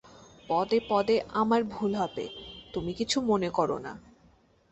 পদে পদে আমার ভুল হবে, তুমি কিছু মনে কর না।